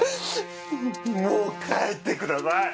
もう帰ってください。